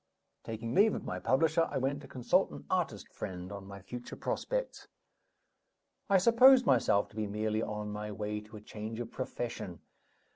Taking leave of my publisher, I went to consult an artist friend on my future prospects. I supposed myself to be merely on my way to a change of profession.